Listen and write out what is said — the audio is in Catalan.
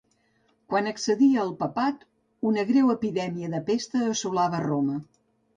Quan accedí al papat, una greu epidèmia de pesta assolava Roma.